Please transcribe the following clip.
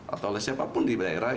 atau oleh siapapun di daerah